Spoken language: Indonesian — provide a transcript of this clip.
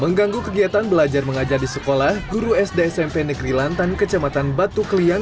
mengganggu kegiatan belajar mengajar di sekolah guru sd smp negeri lantan kecamatan batu kliang